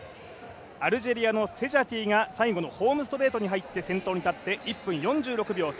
アルジェリアのセジャティが最後のホームストレートで先頭に立って、１分４６秒３９。